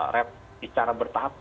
rep secara bertahap